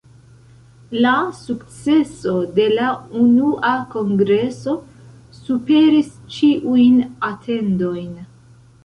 La sukceso de la unua kongreso superis ĉiujn atendojn.